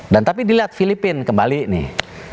dan tapi dilihat filipina kembali nih